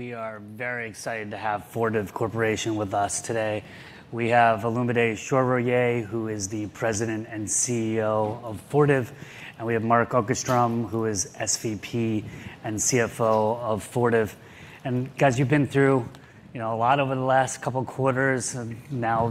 We are very excited to have Fortive Corporation with us today. We have Olumide Soroye, who is the president and CEO of Fortive, and we have Mark Åkerström, who is SVP and CFO of Fortive. And guys, you've been through, you know, a lot over the last couple quarters, and now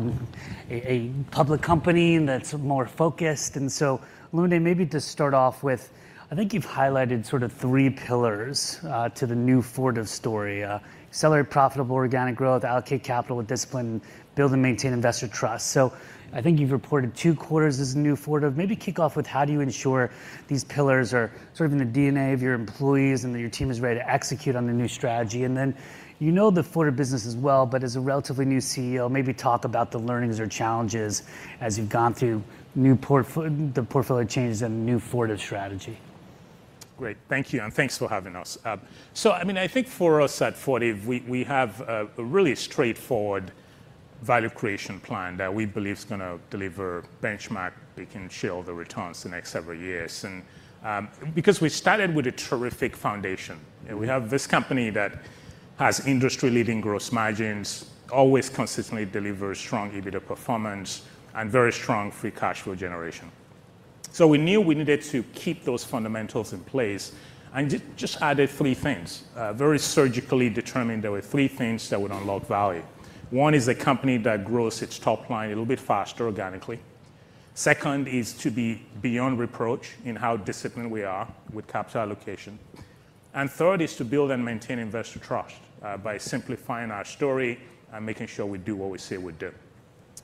a public company that's more focused. And so Olumide, maybe to start off with, I think you've highlighted sort of three pillars to the new Fortive story: accelerate profitable organic growth, allocate capital with discipline, build and maintain investor trust. So I think you've reported two quarters as the new Fortive. Maybe kick off with how do you ensure these pillars are sort of in the DNA of your employees, and that your team is ready to execute on the new strategy? And then, you know the Fortive business as well, but as a relatively new CEO, maybe talk about the learnings or challenges as you've gone through the portfolio changes and the new Fortive strategy? Great. Thank you, and thanks for having us. So I mean, I think for us at Fortive, we have a really straightforward value creation plan that we believe is gonna deliver benchmark we can show the returns the next several years. And because we started with a terrific foundation, and we have this company that has industry-leading gross margins, always consistently delivers strong EBITDA performance, and very strong free cash flow generation. So we knew we needed to keep those fundamentals in place and just added three things. Very surgically determined there were three things that would unlock value. One is a company that grows its top line a little bit faster organically. Second is to be beyond reproach in how disciplined we are with capital allocation. And third is to build and maintain investor trust by simplifying our story and making sure we do what we say we'd do.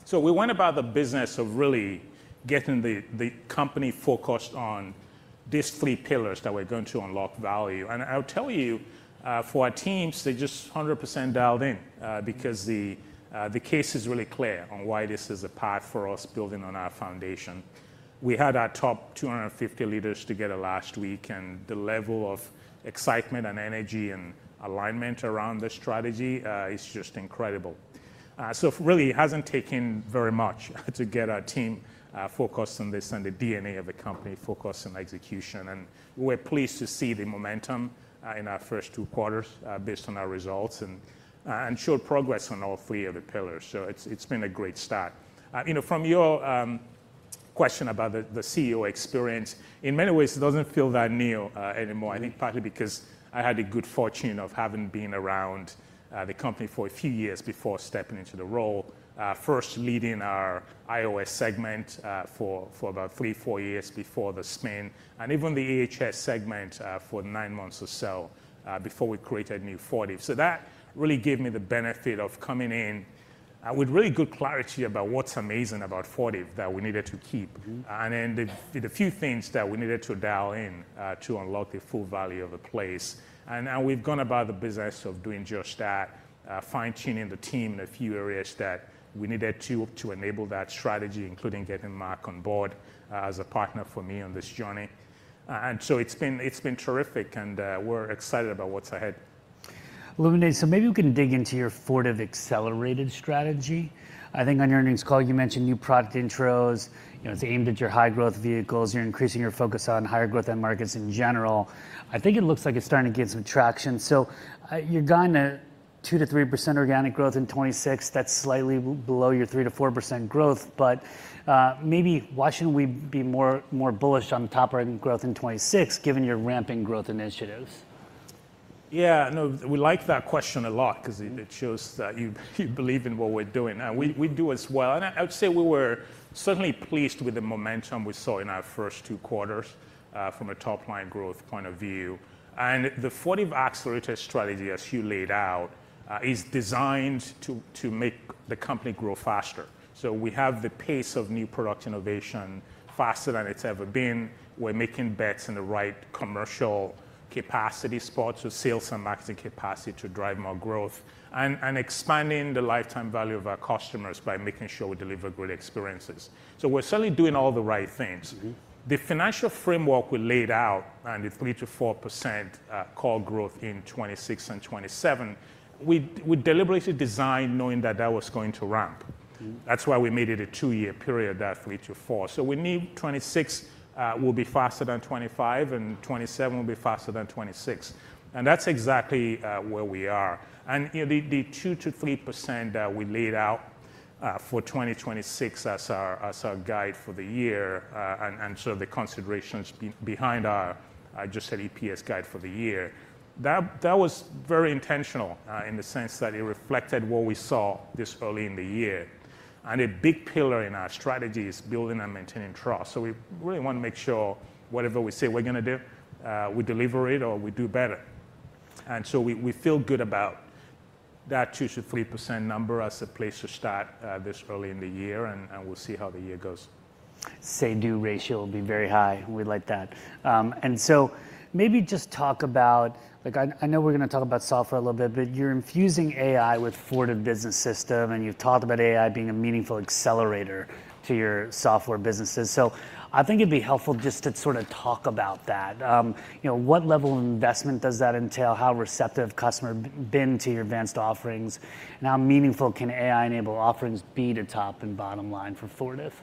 So we went about the business of really getting the company focused on these three pillars that were going to unlock value. And I'll tell you, for our teams, they just 100% dialed in, because the case is really clear on why this is a path for us building on our foundation. We had our top 250 leaders together last week, and the level of excitement and energy and alignment around the strategy is just incredible. So it really hasn't taken very much to get our team focused on this and the DNA of the company focused on execution. We're pleased to see the momentum in our first two quarters, based on our results, and showed progress on all three of the pillars, so it's been a great start. You know, from your question about the CEO experience, in many ways, it doesn't feel that new anymore. I think partly because I had the good fortune of having been around the company for a few years before stepping into the role. First leading our IOS segment for about three, four years before the spin, and even the EHS segment for nine months or so before we created new Fortive. So that really gave me the benefit of coming in with really good clarity about what's amazing about Fortive that we needed to keep- Mm-hmm. And then the few things that we needed to dial in to unlock the full value of the place. And now we've gone about the business of doing just that, fine-tuning the team in a few areas that we needed to enable that strategy, including getting Mark on board as a partner for me on this journey. And so it's been terrific, and we're excited about what's ahead. Olumide, so maybe we can dig into your Fortive Accelerated Strategy. I think on your earnings call, you mentioned new product intros. You know, it's aimed at your high-growth vehicles. You're increasing your focus on higher growth end markets in general. I think it looks like it's starting to get some traction. So, you've gotten a 2%-3% organic growth in 2026. That's slightly below your 3%-4% growth, but, maybe why shouldn't we be more, more bullish on the top-line growth in 2026, given your ramping growth initiatives? Yeah, no, we like that question a lot 'cause- Mm... it shows that you, you believe in what we're doing, and we, we do as well. And I, I would say we were certainly pleased with the momentum we saw in our first two quarters, from a top-line growth point of view. And the Fortive Accelerated Strategy, as you laid out, is designed to, to make the company grow faster. So we have the pace of new product innovation faster than it's ever been. We're making bets in the right commercial capacity spots with sales and marketing capacity to drive more growth and, and expanding the lifetime value of our customers by making sure we deliver great experiences. So we're certainly doing all the right things. Mm-hmm. The financial framework we laid out and the 3%-4% core growth in 2026 and 2027, we deliberately designed knowing that that was going to ramp. Mm. That's why we made it a two-year period, that 3%-4%. So 2026 will be faster than 2025, and 2027 will be faster than 2026. And that's exactly where we are. And, you know, the 2%-3% that we laid out for 2026 as our guide for the year, and so the considerations behind our, I just said, EPS guide for the year, that was very intentional in the sense that it reflected what we saw this early in the year. And a big pillar in our strategy is building and maintaining trust. So we really want to make sure whatever we say we're gonna do, we deliver it or we do better. And so we, we feel good about that 2%-3% number as a place to start, this early in the year, and, and we'll see how the year goes. Say-do ratio will be very high. We like that. And so maybe just talk about... Like, I know we're gonna talk about software a little bit, but you're infusing AI with Fortive Business System, and you've talked about AI being a meaningful accelerator to your software businesses. So I think it'd be helpful just to sort of talk about that. You know, what level of investment does that entail? How receptive customers have been to your advanced offerings, and how meaningful can AI-enabled offerings be to top and bottom line for Fortive?...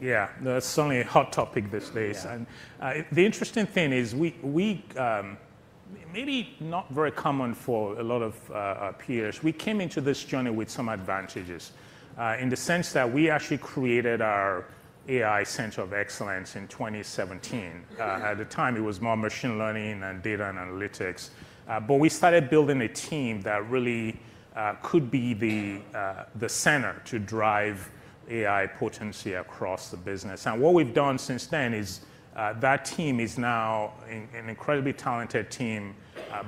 Yeah, that's certainly a hot topic these days. Yeah. And, the interesting thing is we maybe not very common for a lot of our peers, we came into this journey with some advantages, in the sense that we actually created our AI center of excellence in 2017. Mm. At the time, it was more machine learning and data and analytics. But we started building a team that really could be the center to drive AI potency across the business. And what we've done since then is that team is now an incredibly talented team,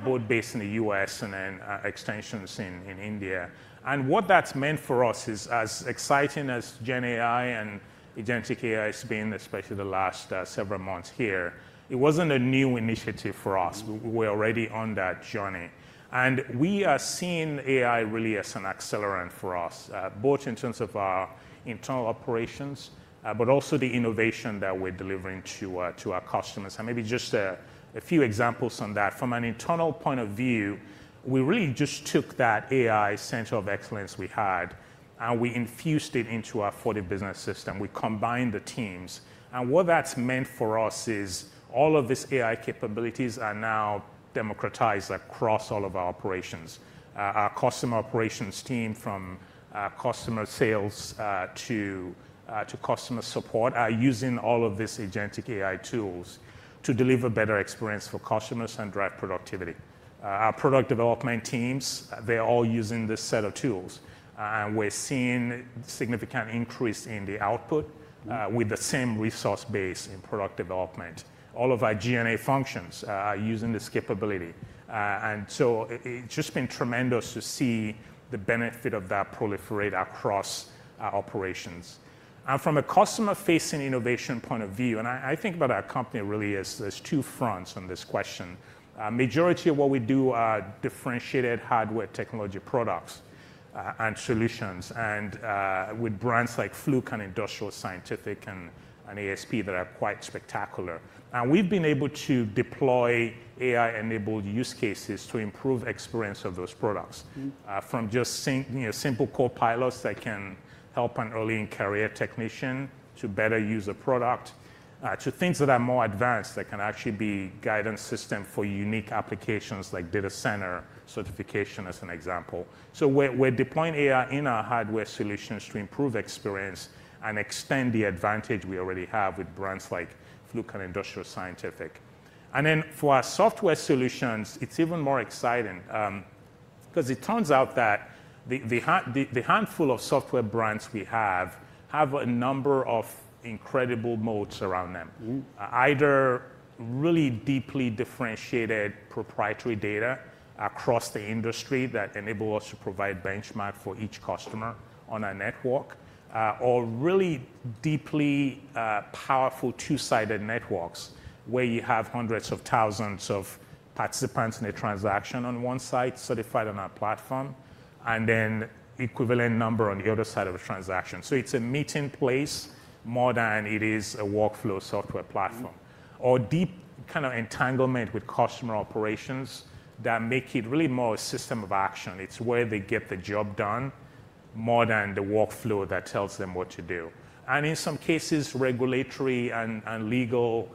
both based in the U.S. and then extensions in India. And what that's meant for us is, as exciting as Gen AI and Agentic AI has been, especially the last several months here, it wasn't a new initiative for us. Mm. We're already on that journey. We are seeing AI really as an accelerant for us, both in terms of our internal operations, but also the innovation that we're delivering to our customers. Maybe just a few examples on that. From an internal point of view, we really just took that AI center of excellence we had, and we infused it into our Fortive Business System. We combined the teams. What that's meant for us is all of these AI capabilities are now democratized across all of our operations. Our customer operations team, from our customer sales to customer support, are using all of these agentic AI tools to deliver better experience for customers and drive productivity. Our product development teams, they're all using this set of tools, and we're seeing significant increase in the output- Mm... with the same resource base in product development. All of our G&A functions are using this capability. And so it's just been tremendous to see the benefit of that proliferate across our operations. And from a customer-facing innovation point of view, I think about our company really as there's two fronts on this question. A majority of what we do are differentiated hardware technology products and solutions with brands like Fluke and Industrial Scientific and ASP that are quite spectacular. And we've been able to deploy AI-enabled use cases to improve experience of those products. Mm. From just simple—you know—copilots that can help an early-in-career technician to better use a product, to things that are more advanced, that can actually be guidance system for unique applications like data center certification, as an example. So we're deploying AI in our hardware solutions to improve experience and extend the advantage we already have with brands like Fluke and Industrial Scientific. And then, for our software solutions, it's even more exciting, because it turns out that the handful of software brands we have have a number of incredible moats around them. Mm. Either really deeply differentiated proprietary data across the industry that enable us to provide benchmark for each customer on our network, or really deeply, powerful two-sided networks, where you have hundreds of thousands of participants in a transaction on one side, certified on our platform, and then equivalent number on the other side of a transaction. So it's a meeting place more than it is a workflow software platform. Mm. Or deep kind of entanglement with customer operations that make it really more a system of action. It's where they get the job done, more than the workflow that tells them what to do. And in some cases, regulatory and legal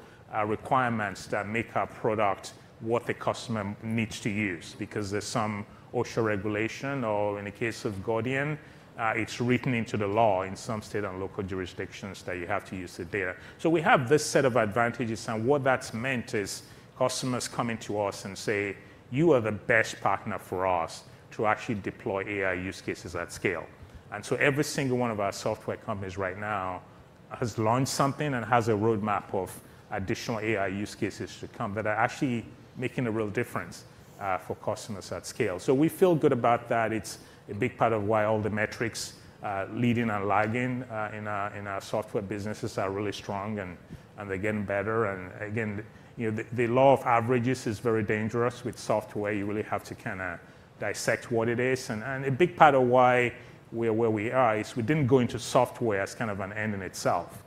requirements that make our product what the customer needs to use, because there's some OSHA regulation, or in the case of Gordian, it's written into the law in some state and local jurisdictions that you have to use the data. So we have this set of advantages, and what that's meant is customers coming to us and say, "You are the best partner for us to actually deploy AI use cases at scale." And so every single one of our software companies right now has launched something and has a roadmap of additional AI use cases to come, that are actually making a real difference, for customers at scale. So we feel good about that. It's a big part of why all the metrics, leading and lagging, in our, in our software businesses are really strong, and, and they're getting better. And again, you know, the, the law of averages is very dangerous with software. You really have to kind of dissect what it is. And a big part of why we're where we are is we didn't go into software as kind of an end in itself.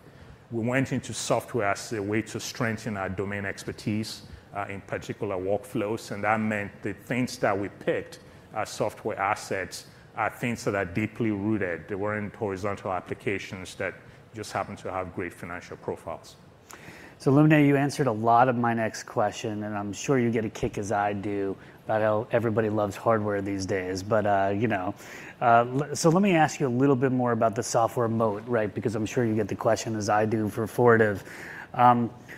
We went into software as a way to strengthen our domain expertise, in particular workflows, and that meant the things that we picked as software assets are things that are deeply rooted. They weren't horizontal applications that just happened to have great financial profiles. So Olumide, you answered a lot of my next question, and I'm sure you get a kick, as I do, about how everybody loves hardware these days. But, you know, so let me ask you a little bit more about the software moat, right? Because I'm sure you get the question, as I do, for Fortive.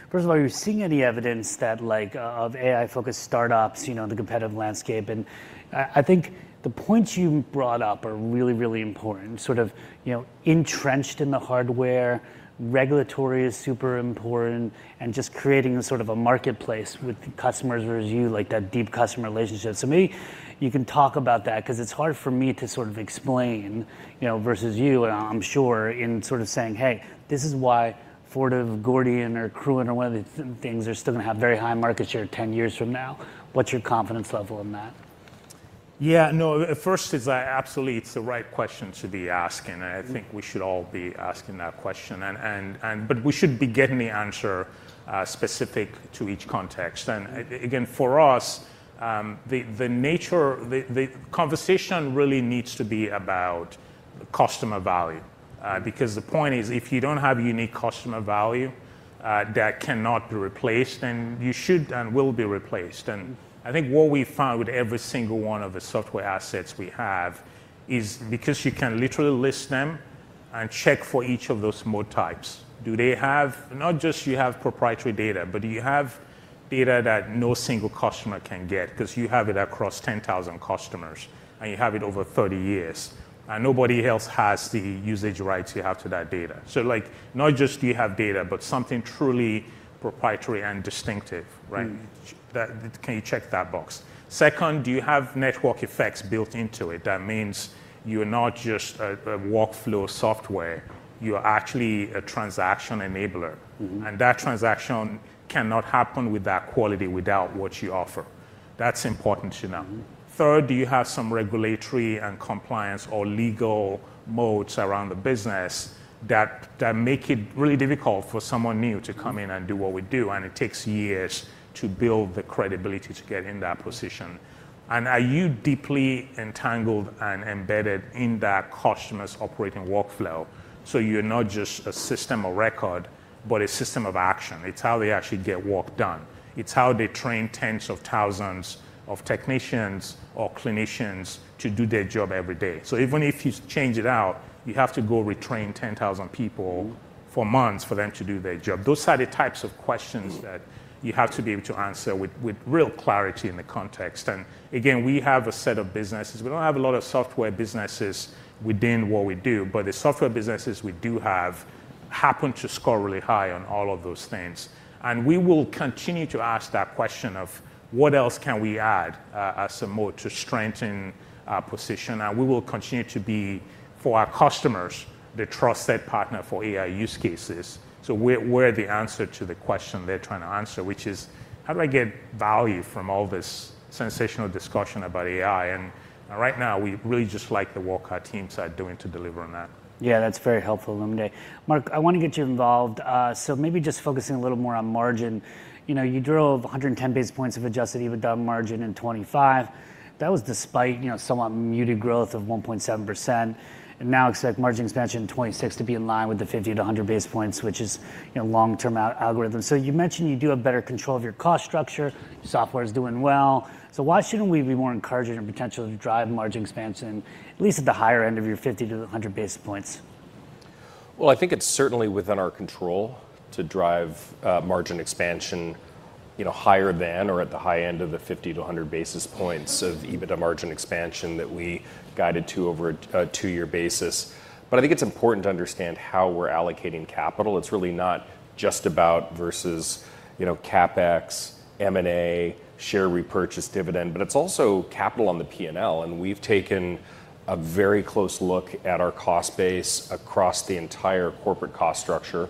First of all, are you seeing any evidence that, like, of AI-focused startups, you know, the competitive landscape? And I think the points you brought up are really, really important. Sort of, you know, entrenched in the hardware, regulatory is super important, and just creating a sort of a marketplace with customers versus you, like that deep customer relationship. So maybe you can talk about that, 'cause it's hard for me to sort of explain, you know, versus you, and I'm sure in sort of saying: Hey, this is why Fortive, Gordian or Accruent or whatever things are still going to have very high market share 10 years from now. What's your confidence level in that? Yeah, no, at first, it's absolutely, it's the right question to be asking. Mm. I think we should all be asking that question. But we should be getting the answer specific to each context. And again, for us, the nature, the conversation really needs to be about customer value, because the point is, if you don't have a unique customer value that cannot be replaced, then you should and will be replaced. And I think what we found with every single one of the software assets we have is because you can literally list them and check for each of those mode types. Do they have not just you have proprietary data, but do you have data that no single customer can get? 'Cause you have it across 10,000 customers, and you have it over 30 years, and nobody else has the usage rights you have to that data. So, like, not just do you have data, but something truly proprietary and distinctive, right? Mm. That, can you check that box? Second, do you have network effects built into it? That means you're not just a workflow software, you are actually a transaction enabler. Mm-hmm. That transaction cannot happen with that quality without what you offer. That's important to know. Mm. Third, do you have some regulatory and compliance or legal moats around the business that make it really difficult for someone new to come in and do what we do, and it takes years to build the credibility to get in that position? Are you deeply entangled and embedded in that customer's operating workflow, so you're not just a system of record, but a system of action? It's how they actually get work done. It's how they train tens of thousands of technicians or clinicians to do their job every day. So even if you change it out, you have to go retrain 10,000 people- Mm... for months for them to do their job. Those are the types of questions- Mm... that you have to be able to answer with real clarity in the context. And again, we have a set of businesses. We don't have a lot of software businesses within what we do, but the software businesses we do have happen to score really high on all of those things. And we will continue to ask that question of: What else can we add as a moat to strengthen our position? And we will continue to be, for our customers, the trusted partner for AI use cases. So we're the answer to the question they're trying to answer, which is: How do I get value from all this sensational discussion about AI? And right now, we really just like the work our teams are doing to deliver on that. Yeah, that's very helpful, Olumide. Mark, I want to get you involved. So maybe just focusing a little more on margin. You know, you drove 110 basis points of adjusted EBITDA margin in 2025. That was despite, you know, somewhat muted growth of 1.7%, and now expect margin expansion in 2026 to be in line with the 50-100 basis points, which is, you know, long-term algorithm. So you mentioned you do have better control of your cost structure. Software's doing well. So why shouldn't we be more encouraged in your potential to drive margin expansion, at least at the higher end of your 50-100 basis points? Well, I think it's certainly within our control to drive, margin expansion, you know, higher than or at the high end of the 50-100 basis points- Mm... of EBITDA margin expansion that we guided to over a two-year basis. But I think it's important to understand how we're allocating capital. It's really not just about versus, you know, CapEx, M&A, share repurchase, dividend, but it's also capital on the P&L, and we've taken a very close look at our cost base across the entire corporate cost structure.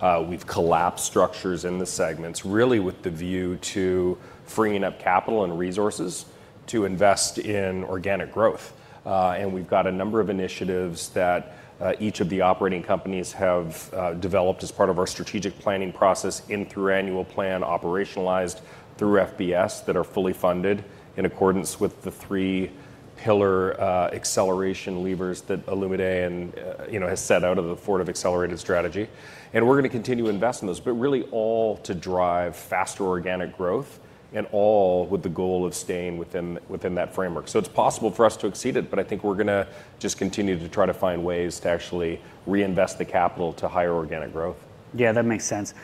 Mm. We've collapsed structures in the segments, really with the view to freeing up capital and resources to invest in organic growth. And we've got a number of initiatives that each of the operating companies have developed as part of our strategic planning process and through annual plan, operationalized through FBS, that are fully funded in accordance with the three-pillar acceleration levers that Olumide and, you know, has set out in the Fortive Accelerated Strategy. And we're going to continue to invest in those, but really all to drive faster organic growth and all with the goal of staying within that framework. So it's possible for us to exceed it, but I think we're going to just continue to try to find ways to actually reinvest the capital to higher organic growth. Yeah, that makes sense.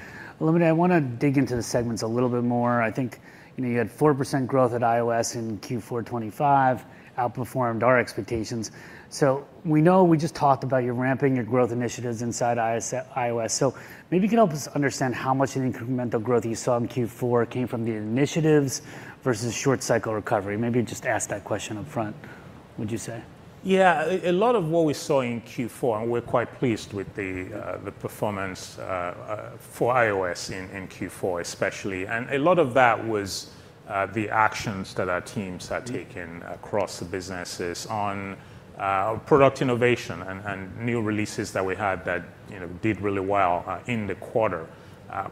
Olumide, I want to dig into the segments a little bit more. I think, you know, you had 4% growth at IOS in Q4 2025, outperformed our expectations. So we know we just talked about you ramping your growth initiatives inside IOS, so maybe you can help us understand how much of the incremental growth you saw in Q4 came from the initiatives versus short cycle recovery. Maybe just ask that question up front, would you say? Yeah. A lot of what we saw in Q4, and we're quite pleased with the performance for IOS in Q4 especially. And a lot of that was the actions that our teams have taken- Mm... across the businesses on product innovation and new releases that we had, you know, did really well in the quarter.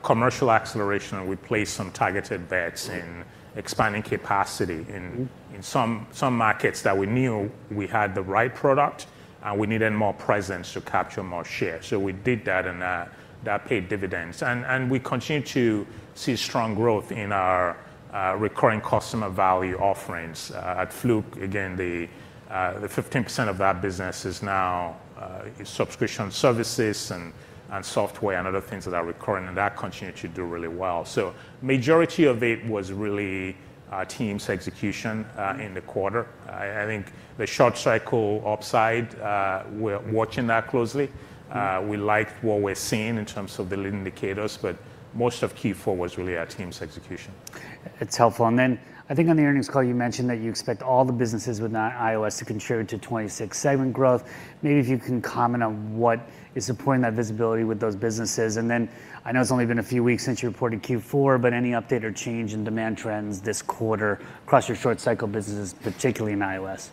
Commercial acceleration, and we placed some targeted bets in- Mm... expanding capacity in- Mm... in some markets that we knew we had the right product, and we needed more presence to capture more share. So we did that, and that paid dividends. And we continue to see strong growth in our recurring customer value offerings. At Fluke, again, the 15% of that business is now subscription services and software and other things that are recurring, and that continued to do really well. So majority of it was really our team's execution in the quarter. Mm. I think the Short Cycle upside, we're watching that closely. Mm. We like what we're seeing in terms of the leading indicators, but most of Q4 was really our team's execution. It's helpful. And then, I think on the earnings call, you mentioned that you expect all the businesses within IOS to contribute to 2026 segment growth. Maybe if you can comment on what is supporting that visibility with those businesses? And then, I know it's only been a few weeks since you reported Q4, but any update or change in demand trends this quarter across your Short Cycle businesses, particularly in IOS? ...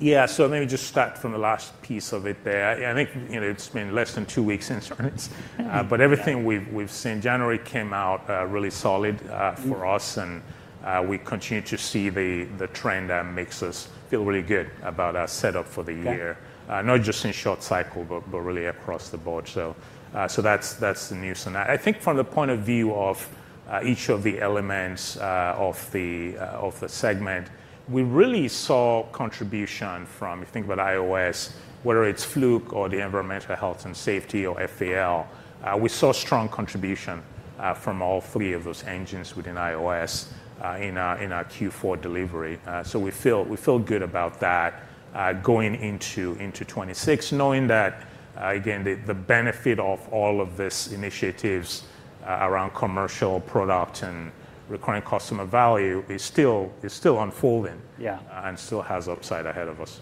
Yeah, so let me just start from the last piece of it there. Yeah, I think, you know, it's been less than two weeks since earnings. Yeah. But everything we've seen, January came out really solid. Mm... for us, and we continue to see the trend, and that makes us feel really good about our setup for the year. Yeah. Not just in short cycle, but really across the board. So, that's the news. And I think from the point of view of each of the elements of the segment, we really saw contribution from, if you think about IOS, whether it's Fluke or the Environmental, Health, and Safety or FAL. We saw strong contribution from all three of those engines within IOS in our Q4 delivery. So we feel good about that going into 2026, knowing that again the benefit of all of these initiatives around commercial product and recurring customer value is still unfolding. Yeah... and still has upside ahead of us.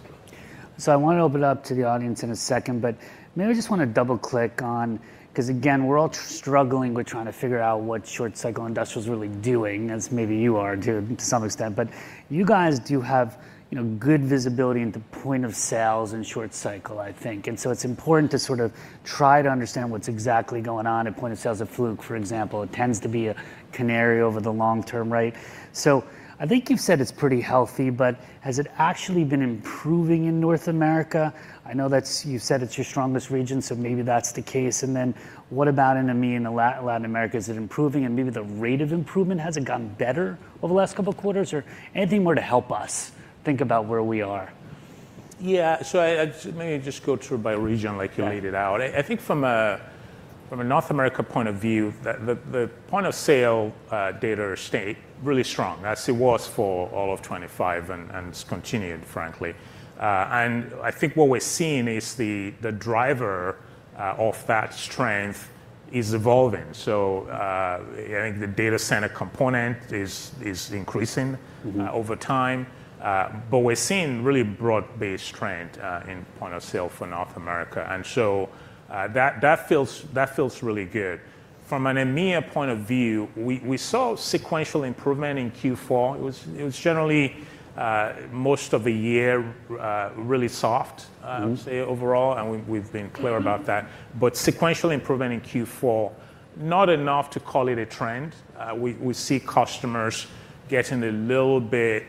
So I want to open it up to the audience in a second, but maybe I just want to double-click on... 'Cause again, we're all struggling with trying to figure out what short-cycle industrial's really doing, as maybe you are, to some extent. But you guys do have, you know, good visibility into point of sales and short cycle, I think. And so it's important to sort of try to understand what's exactly going on at point of sales at Fluke, for example. It tends to be a canary over the long term, right? So I think you've said it's pretty healthy, but has it actually been improving in North America? I know that's- you said it's your strongest region, so maybe that's the case. And then what about in EMEA and in Latin America? Is it improving, and maybe the rate of improvement, has it gotten better over the last couple of quarters? Or anything more to help us think about where we are? Yeah, so maybe I just go through by region, like you laid it out. Yeah. I think from a North America point of view, the point of sale data stayed really strong, as it was for all of 2025, and it's continued, frankly. And I think what we're seeing is the driver of that strength is evolving. I think the data center component is increasing- Mm-hmm... over time. But we're seeing really broad-based trend in point of sale for North America, and so, that feels really good. From an EMEA point of view, we saw sequential improvement in Q4. It was generally most of the year really soft- Mm... I would say overall, and we, we've been clear about that. But sequential improvement in Q4, not enough to call it a trend. We see customers getting a little bit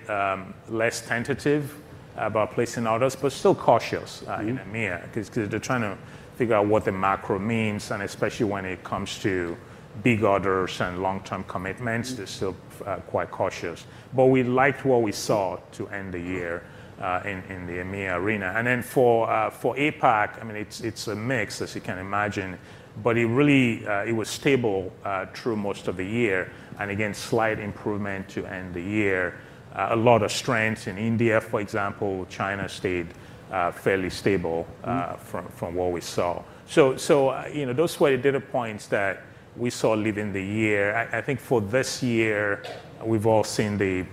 less tentative about placing orders, but still cautious. Mm... in EMEA, 'cause they're trying to figure out what the macro means, and especially when it comes to big orders and long-term commitments- Mm... they're still quite cautious. But we liked what we saw to end the year in the EMEA arena. And then for APAC, I mean, it's a mix, as you can imagine, but it really it was stable through most of the year, and again, slight improvement to end the year. A lot of strength in India, for example. China stayed fairly stable. Mm... from what we saw. So, you know, those were the data points that we saw leaving the year. I think for this year, we've all seen the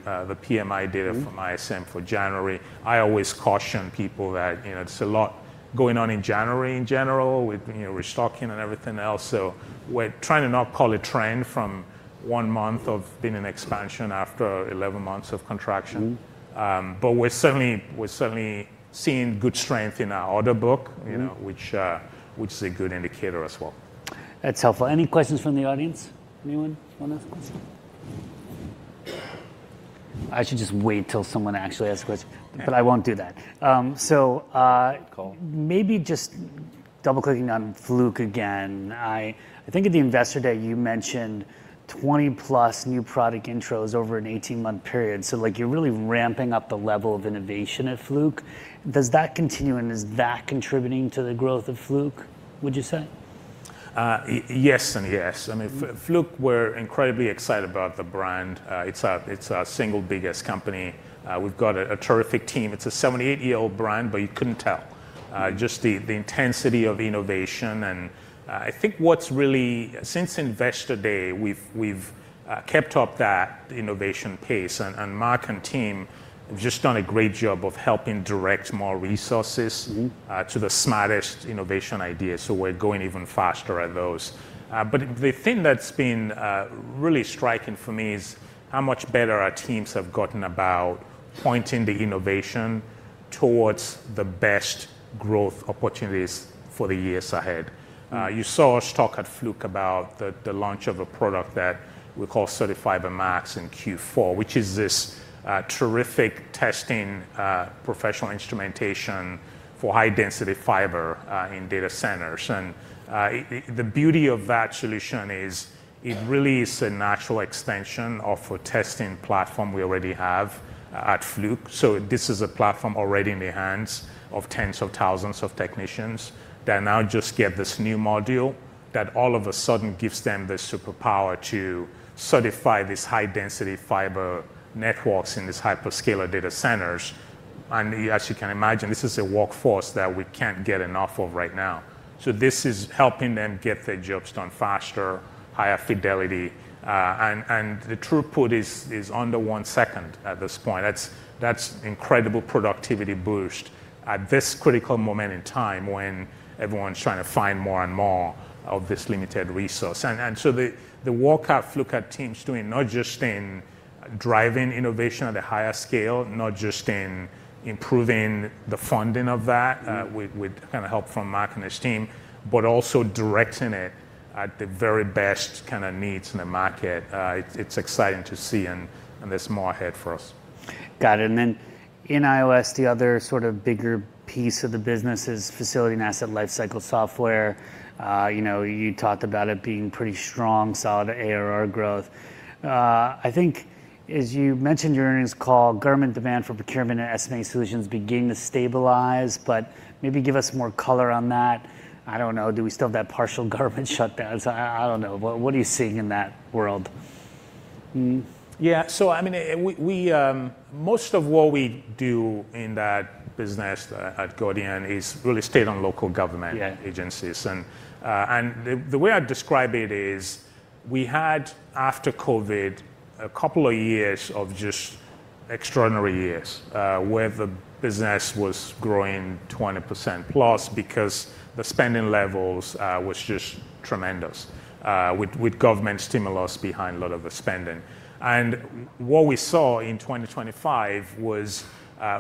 PMI data- Mm... from ISM for January. I always caution people that, you know, it's a lot going on in January in general with, you know, restocking and everything else. So we're trying to not call a trend from 1 month of being in expansion after 11 months of contraction. Mm. But we're certainly seeing good strength in our order book- Mm... you know, which, which is a good indicator as well. That's helpful. Any questions from the audience? Anyone want to ask a question? I should just wait till someone actually asks a question. Yeah. But I won't do that. Cool... maybe just double-clicking on Fluke again. I, I think at the Investor Day, you mentioned 20+ new product intros over an 18-month period. So, like, you're really ramping up the level of innovation at Fluke. Does that continue, and is that contributing to the growth of Fluke, would you say? Yes and yes. I mean, Fluke, we're incredibly excited about the brand. It's our, it's our single biggest company. We've got a terrific team. It's a 78-year-old brand, but you couldn't tell. Mm. Just the intensity of innovation and, I think, what's really... Since Investor Day, we've kept up that innovation pace, and Mark and team have just done a great job of helping direct more resources- Mm... to the smartest innovation ideas, so we're going even faster at those. But the thing that's been really striking for me is how much better our teams have gotten about pointing the innovation towards the best growth opportunities for the years ahead. You saw us talk at Fluke about the launch of a product that we call CertiFiber Pro in Q4, which is this terrific testing professional instrumentation for high-density fiber in data centers. The beauty of that solution is it really is a natural extension of a testing platform we already have at Fluke. So this is a platform already in the hands of tens of thousands of technicians, that now just get this new module, that all of a sudden gives them the superpower to certify these high-density fiber networks in these hyperscaler data centers. And as you can imagine, this is a workforce that we can't get enough of right now. So this is helping them get their jobs done faster, higher fidelity, and the throughput is under one second at this point. That's incredible productivity boost... at this critical moment in time when everyone's trying to find more and more of this limited resource. And so the work our Fluke team's doing, not just in driving innovation at a higher scale, not just in improving the funding of that, Mm-hmm With kind of help from Mark Åkerström and his team, but also directing it at the very best kind of needs in the market, it's exciting to see, and there's more ahead for us. Got it. And then in IOS, the other sort of bigger piece of the business is Facility and Asset Lifecycle software. You know, you talked about it being pretty strong, solid ARR growth. I think as you mentioned in your earnings call, government demand for procurement and SMA solutions beginning to stabilize, but maybe give us more color on that. I don't know, do we still have that partial government shutdown? So, I don't know. What are you seeing in that world? Yeah, so I mean, most of what we do in that business at Gordian is really state and local government- Yeah agencies. And the way I'd describe it is we had, after COVID, a couple of years of just extraordinary years, where the business was growing 20%+ because the spending levels was just tremendous, with government stimulus behind a lot of the spending. And what we saw in 2025 was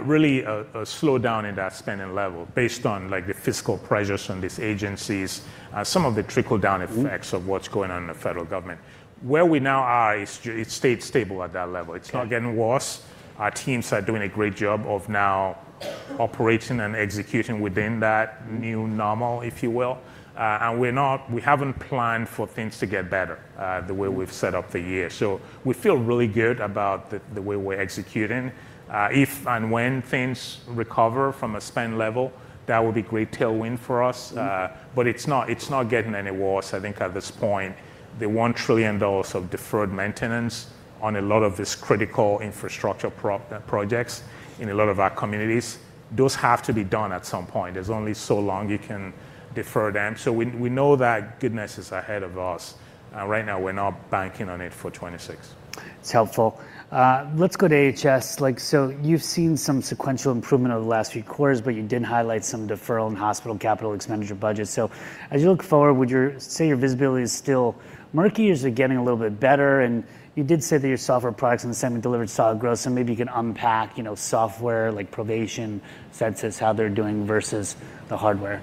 really a slowdown in that spending level based on, like, the fiscal pressures on these agencies, some of the trickle-down effects- Mm... of what's going on in the federal government. Where we now are, it's stayed stable at that level. Yeah. It's not getting worse. Our teams are doing a great job of now operating and executing within that new normal, if you will. And we're not, we haven't planned for things to get better, the way we've set up the year. So we feel really good about the way we're executing. If and when things recover from a spend level, that will be great tailwind for us. Mm. But it's not, it's not getting any worse, I think, at this point. The $1 trillion of deferred maintenance on a lot of these critical infrastructure projects in a lot of our communities, those have to be done at some point. There's only so long you can defer them. So we, we know that goodness is ahead of us, right now, we're not banking on it for 2026. It's helpful. Let's go to AHS. Like, so you've seen some sequential improvement over the last few quarters, but you did highlight some deferral in hospital capital expenditure budgets. So as you look forward, would you say your visibility is still murky, or is it getting a little bit better? And you did say that your software products in the segment delivered solid growth, so maybe you can unpack, you know, software, like Provation, Censis, how they're doing versus the hardware.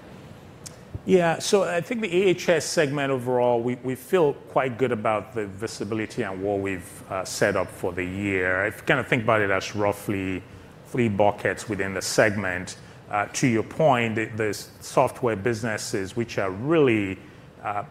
Yeah. So I think the AHS segment, overall, we feel quite good about the visibility and what we've set up for the year. I kind of think about it as roughly three buckets within the segment. To your point, the software businesses, which are really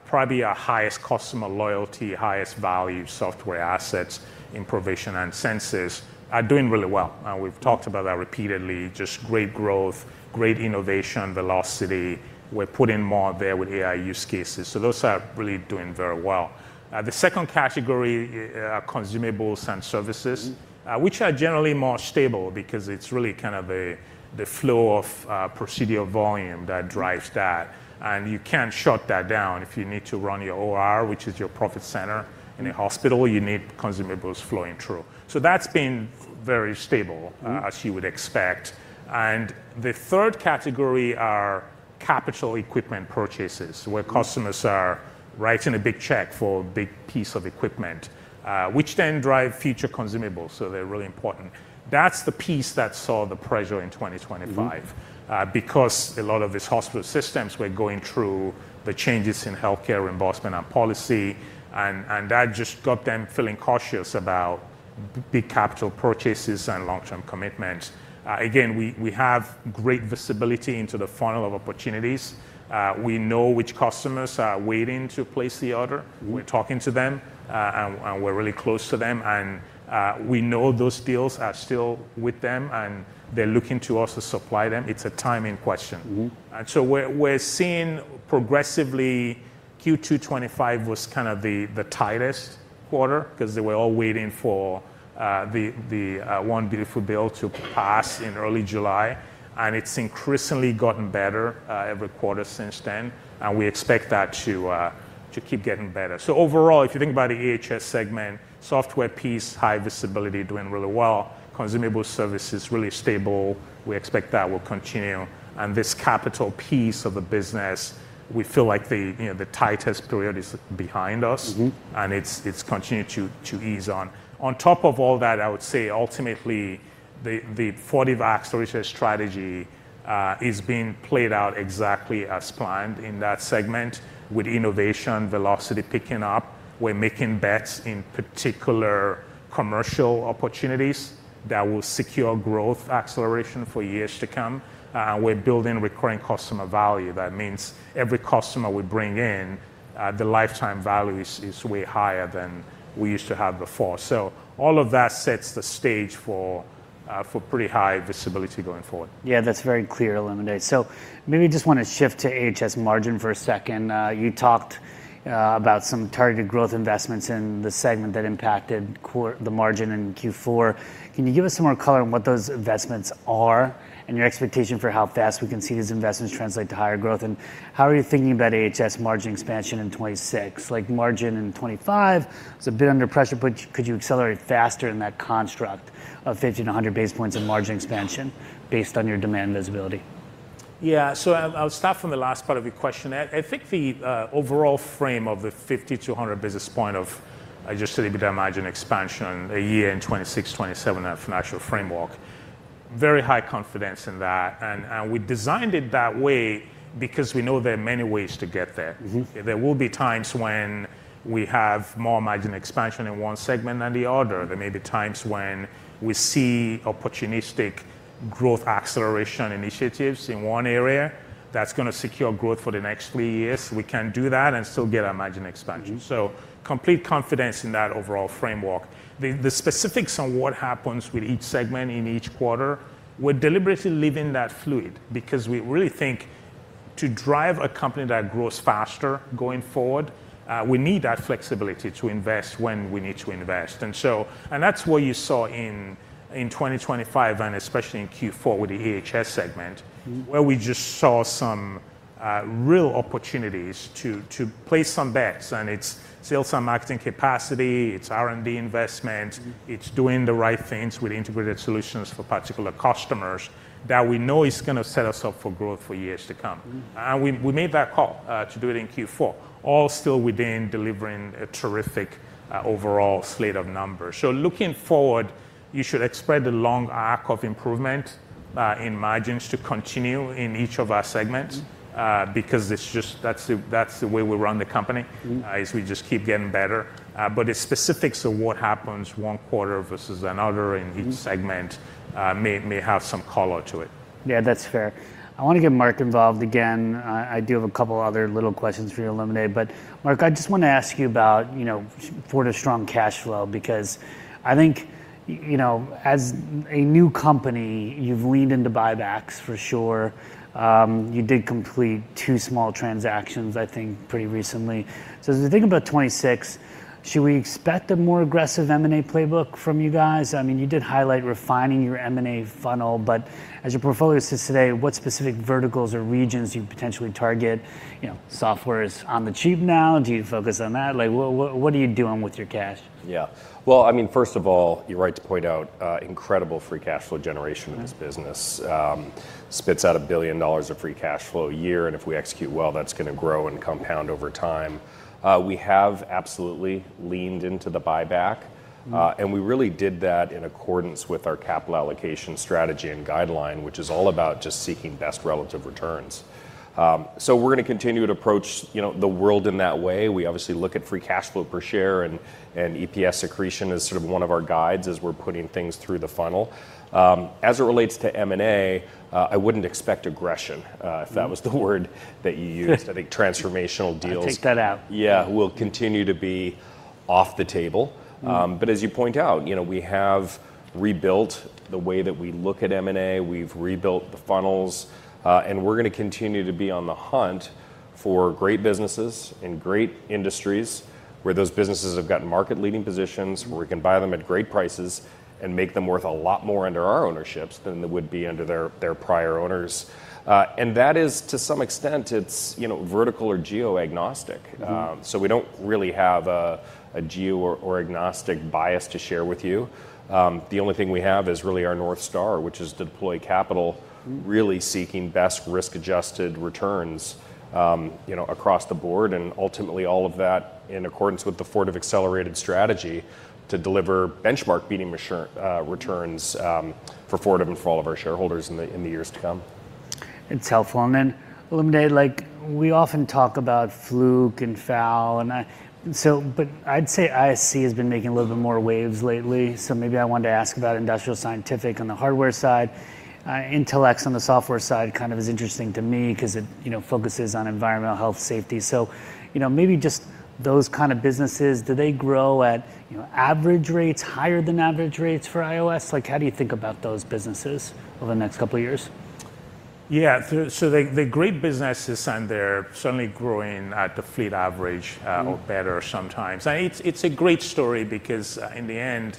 probably our highest customer loyalty, highest value software assets in Provation and Censis, are doing really well, and we've talked about that repeatedly. Just great growth, great innovation, velocity. We're putting more there with AI use cases. So those are really doing very well. The second category, consumables and services- Mm... which are generally more stable because it's really kind of a, the flow of procedural volume that drives that. Mm. You can't shut that down. If you need to run your OR, which is your profit center- Mm... in a hospital, you need consumables flowing through. So that's been very stable- Mm... as you would expect. And the third category are capital equipment purchases. Mm... where customers are writing a big check for a big piece of equipment, which then drive future consumables, so they're really important. That's the piece that saw the pressure in 2025- Mm... because a lot of these hospital systems were going through the changes in healthcare reimbursement and policy, and that just got them feeling cautious about big capital purchases and long-term commitments. Again, we have great visibility into the funnel of opportunities. We know which customers are waiting to place the order. Mm. We're talking to them, and we're really close to them, and we know those deals are still with them, and they're looking to us to supply them. It's a timing question. Mm. And so we're seeing progressively, Q2 2025 was kind of the tightest quarter, 'cause they were all waiting for the one beautiful bill to pass in early July, and it's increasingly gotten better every quarter since then, and we expect that to keep getting better. So overall, if you think about the AHS segment, software piece, high visibility, doing really well. Consumables service is really stable. We expect that will continue. And this capital piece of the business, we feel like the, you know, the tightest period is behind us- Mm-hmm... and it's continuing to ease on. On top of all that, I would say ultimately, the Fortive Accelerated Strategy is being played out exactly as planned in that segment, with innovation velocity picking up. We're making bets, in particular, commercial opportunities, that will secure growth acceleration for years to come. We're building recurring customer value. That means every customer we bring in, the lifetime value is way higher than we used to have before. So all of that sets the stage for pretty high visibility going forward. Yeah, that's very clear to illuminate. So maybe just want to shift to AHS margin for a second. You talked about some targeted growth investments in the segment that impacted the margin in Q4. Can you give us some more color on what those investments are, and your expectation for how fast we can see these investments translate to higher growth? And how are you thinking about AHS margin expansion in 2026? Like, margin in 2025 was a bit under pressure, but could you accelerate faster in that construct of 50-100 basis points of margin expansion based on your demand visibility? ... Yeah, so I'll, I'll start from the last part of your question. I, I think the overall frame of the 50-100 basis points. I just said we can imagine expansion a year in 2026, 2027, that financial framework, very high confidence in that. And, and we designed it that way because we know there are many ways to get there. Mm-hmm. There will be times when we have more margin expansion in one segment than the other. There may be times when we see opportunistic growth acceleration initiatives in one area that's gonna secure growth for the next three years. We can do that and still get our margin expansion. Mm-hmm. So complete confidence in that overall framework. The specifics on what happens with each segment in each quarter, we're deliberately leaving that fluid, because we really think to drive a company that grows faster going forward, we need that flexibility to invest when we need to invest. And that's what you saw in 2025, and especially in Q4 with the EHS segment. Mm... where we just saw some real opportunities to place some bets. And it's sales and marketing capacity, it's R&D investment, it's doing the right things with integrated solutions for particular customers that we know is gonna set us up for growth for years to come. Mm. And we made that call to do it in Q4, all still within delivering a terrific overall slate of numbers. So looking forward, you should expect the long arc of improvement in margins to continue in each of our segments- Mm... because it's just, that's the, that's the way we run the company- Mm... is we just keep getting better. But the specifics of what happens one quarter versus another in each segment- Mm... may, may have some color to it. Yeah, that's fair. I want to get Mark involved again. I do have a couple of other little questions for you, Olumide. But Mark, I just want to ask you about, you know, Fortive's strong cash flow, because I think, you know, as a new company, you've leaned into buybacks for sure. You did complete two small transactions, I think, pretty recently. So as we think about 2026, should we expect a more aggressive M&A playbook from you guys? I mean, you did highlight refining your M&A funnel, but as your portfolio sits today, what specific verticals or regions do you potentially target? You know, software is on the cheap now. Do you focus on that? Like, what, what, what are you doing with your cash? Yeah. Well, I mean, first of all, you're right to point out incredible Free Cash Flow generation in this business. Mm. Spits out $1 billion of Free Cash Flow a year, and if we execute well, that's gonna grow and compound over time. We have absolutely leaned into the buyback- Mm... and we really did that in accordance with our capital allocation strategy and guideline, which is all about just seeking best relative returns. So we're going to continue to approach, you know, the world in that way. We obviously look at Free Cash Flow per share, and EPS accretion as sort of one of our guides as we're putting things through the funnel. As it relates to M&A, I wouldn't expect aggression, if that was the word that you used. I think transformational deals- I'll take that out. Yeah, will continue to be off the table. Mm. But as you point out, you know, we have rebuilt the way that we look at M&A. We've rebuilt the funnels, and we're gonna continue to be on the hunt for great businesses in great industries, where those businesses have got market-leading positions, where we can buy them at great prices and make them worth a lot more under our ownerships than they would be under their prior owners. And that is, to some extent, it's, you know, vertical or geo-agnostic. Mm. So we don't really have a geo or agnostic bias to share with you. The only thing we have is really our North Star, which is deploy capital- Mm... really seeking best risk-adjusted returns, you know, across the board, and ultimately, all of that in accordance with the Fortive Accelerated Strategy to deliver benchmark-beating returns, for Fortive and for all of our shareholders in the years to come. It's helpful. And then, Olumide, like, we often talk about Fluke and FAL, and so but I'd say ISC has been making a little bit more waves lately, so maybe I wanted to ask about Industrial Scientific on the hardware side. Intelex on the software side kind of is interesting to me 'cause it, you know, focuses on environmental health safety. So, you know, maybe just those kind of businesses, do they grow at, you know, average rates, higher than average rates for IOS? Like, how do you think about those businesses over the next couple of years? Yeah. So, they're great businesses, and they're certainly growing at the fleet average- Mm... or better sometimes. And it's a great story because in the end,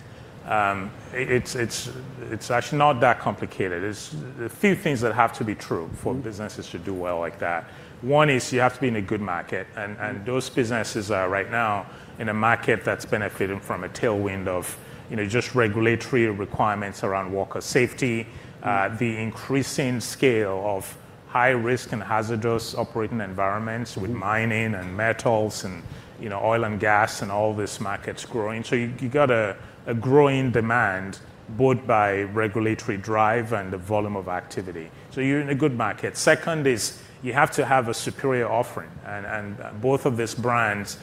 it's actually not that complicated. There's a few things that have to be true- Mm... for businesses to do well like that. One is you have to be in a good market, and those businesses are right now in a market that's benefiting from a tailwind of, you know, just regulatory requirements around worker safety- Mm... the increasing scale of high risk and hazardous operating environments- Mm... with mining and metals and, you know, oil and gas and all these markets growing. So you got a growing demand, both by regulatory drive and the volume of activity. So you're in a good market. Second is, you have to have a superior offering, and both of these brands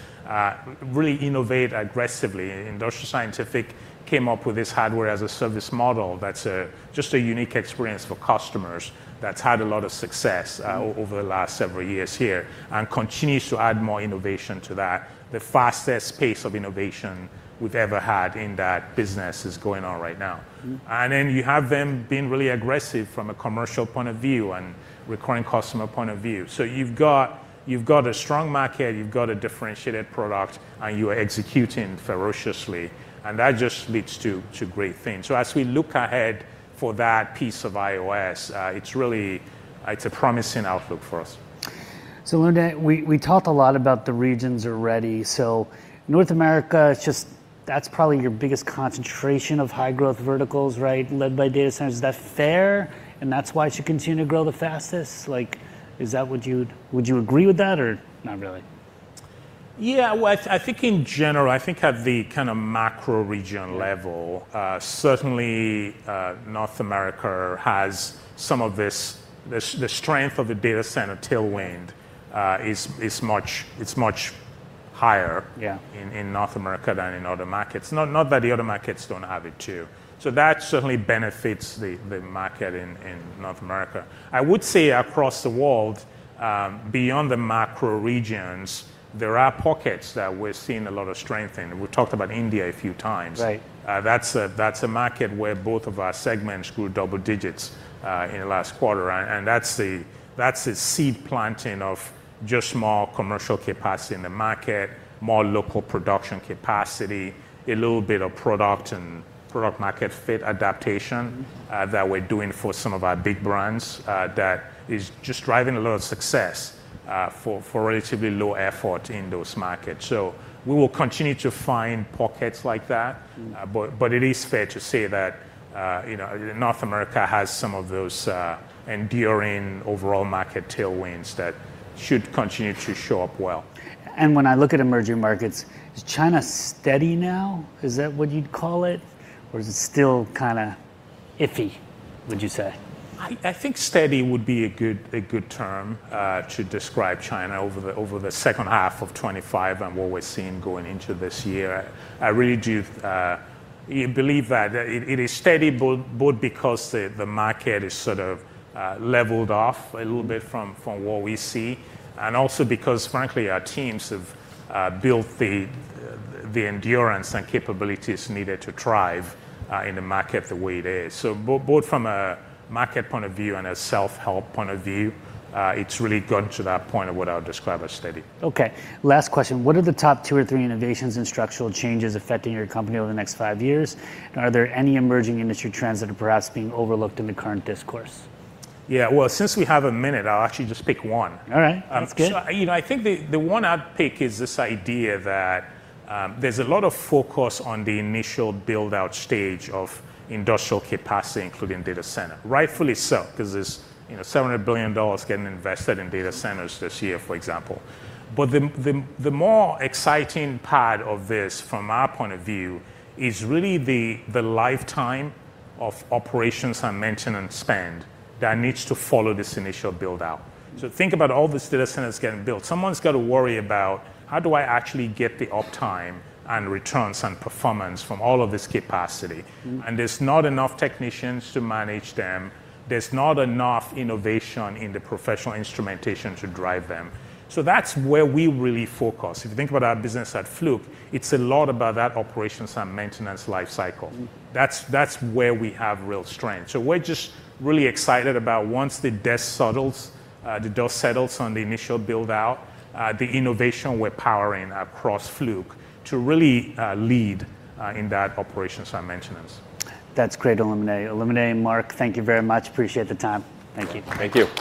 really innovate aggressively. Industrial Scientific came up with this hardware as a service model that's just a unique experience for customers that's had a lot of success over the last several years here and continues to add more innovation to that. The fastest pace of innovation we've ever had in that business is going on right now. Mm. And then you have them being really aggressive from a commercial point of view and recurring customer point of view. So you've got, you've got a strong market, you've got a differentiated product, and you are executing ferociously, and that just leads to, to great things. So as we look ahead for that piece of IOS, it's really, it's a promising outlook for us.... So Olumide, we talked a lot about the regions already. So North America is just—that's probably your biggest concentration of high growth verticals, right? Led by data centers. Is that fair, and that's why it should continue to grow the fastest? Like, is that what you'd—would you agree with that, or not really? Yeah, well, I, I think in general, I think at the kind of macro-region level- Yeah Certainly, North America has some of this, the strength of the data center tailwind is much higher- Yeah in North America than in other markets. Not that the other markets don't have it, too. So that certainly benefits the market in North America. I would say across the world, beyond the macro regions, there are pockets that we're seeing a lot of strength in. We talked about India a few times. Right. That's a market where both of our segments grew double digits in the last quarter. That's the seed planting of just more commercial capacity in the market, more local production capacity, a little bit of product and product market fit adaptation that we're doing for some of our big brands that is just driving a lot of success for relatively low effort in those markets. So we will continue to find pockets like that. Mm. But it is fair to say that, you know, North America has some of those enduring overall market tailwinds that should continue to show up well. When I look at emerging markets, is China steady now? Is that what you'd call it, or is it still kind of iffy, would you say? I think steady would be a good term to describe China over the second half of 2025 and what we're seeing going into this year. I really do believe that it is steady both because the market is sort of leveled off a little bit from what we see, and also because, frankly, our teams have built the endurance and capabilities needed to thrive in the market the way it is. So both from a market point of view and a self-help point of view, it's really gotten to that point of what I would describe as steady. Okay. Last question: What are the top two or three innovations and structural changes affecting your company over the next five years? And are there any emerging industry trends that are perhaps being overlooked in the current discourse? Yeah, well, since we have a minute, I'll actually just pick one. All right. That's good. So I, you know, I think the one I'd pick is this idea that there's a lot of focus on the initial build-out stage of industrial capacity, including Data Center. Rightfully so, 'cause there's, you know, $700 billion getting invested in data centers this year, for example. But the more exciting part of this, from our point of view, is really the lifetime of operations and maintenance spend that needs to follow this initial build-out. Mm. So think about all these data centers getting built. Someone's got to worry about, "How do I actually get the uptime and returns and performance from all of this capacity? Mm. There's not enough technicians to manage them. There's not enough innovation in the professional instrumentation to drive them. That's where we really focus. If you think about our business at Fluke, it's a lot about that operations and maintenance life cycle. Mm. That's where we have real strength. So we're just really excited about once the dust settles on the initial build-out, the innovation we're powering across Fluke to really lead in that operations and maintenance. That's great, Olumide. Olumide, Mark, thank you very much. Appreciate the time. Thank you. Thank you.